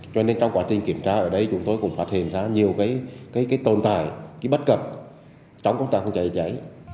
cho nên trong quá trình kiểm tra ở đây chúng tôi cũng phát hiện ra nhiều cái tồn tại cái bất cập trong công trạng không cháy cháy